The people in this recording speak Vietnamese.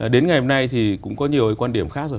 đến ngày hôm nay thì cũng có nhiều quan điểm khác rồi